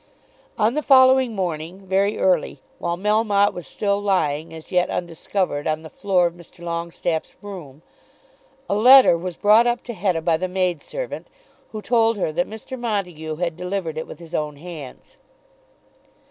On the following morning, very early, while Melmotte was still lying, as yet undiscovered, on the floor of Mr. Longestaffe's room, a letter was brought up to Hetta by the maid servant, who told her that Mr. Montague had delivered it with his own hands.